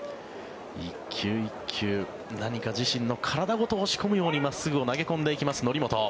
１球１球何か自身の体ごと押し込むように真っすぐを投げ込んでいきます則本。